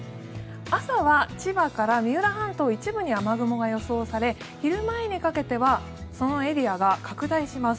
朝は千葉から三浦半島一部に雨雲が予想され昼前にかけてはそのエリアが拡大します。